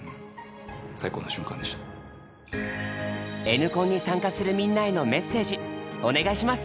「Ｎコン」に参加するみんなへのメッセージお願いします！